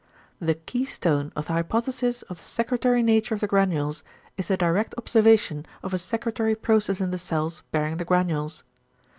The key stone of the hypothesis of the secretory nature of the granules is the direct observation of a secretory process in the cells bearing the granules.